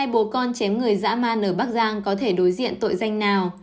hai bố con chém người dã man ở bắc giang có thể đối diện tội danh nào